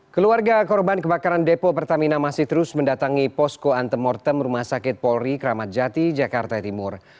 keluarga korban kebakaran depo pertamina masih terus mendatangi posko antemortem rumah sakit polri kramat jati jakarta timur